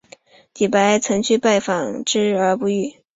李白曾去拜访之而不遇。